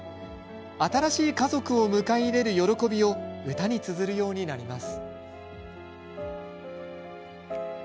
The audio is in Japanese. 新しい家族を迎え入れる喜びを歌につづるようになります。